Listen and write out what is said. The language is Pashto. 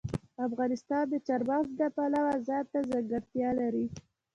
افغانستان د چار مغز د پلوه ځانته ځانګړتیا لري.